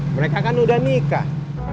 mereka kan udah nikah